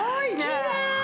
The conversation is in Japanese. きれい！